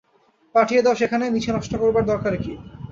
পাঠিয়ে দাও সেখানে, মিছে নষ্ট করবার দরকার কী।